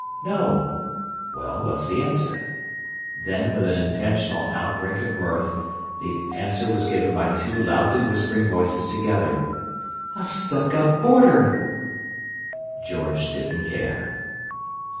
"No." "Well, what's the answer?" Then, with an intentional outbreak of mirth, the answer was given by two loudly whispering voices together: "A stuck up boarder!" George didn't care.